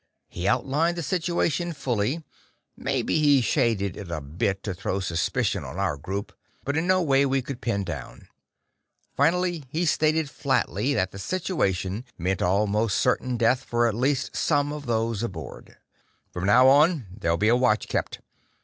He outlined the situation fully; maybe he shaded it a bit to throw suspicion on our group, but in no way we could pin down. Finally he stated flatly that the situation meant almost certain death for at least some of those aboard. "From now on, there'll be a watch kept.